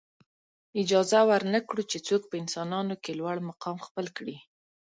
اجازه ورنه کړو چې څوک په انسانانو کې لوړ مقام خپل کړي.